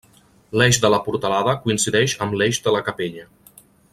L'eix de la portalada coincideix amb l'eix de la capella.